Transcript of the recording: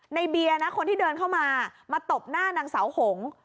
เบียร์นะคนที่เดินเข้ามามาตบหน้านางเสาหง